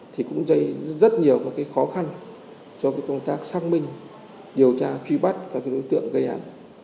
thì cũng dây rất nhiều cái khó khăn cho cái công tác xác minh điều tra truy bắt các cái đối tượng gây ảnh